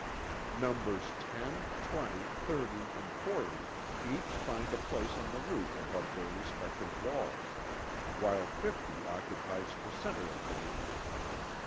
Numbers 10, 20, 30 and 40, each find a place on the roof above their respective walls, while 50 occupies the centre of the room.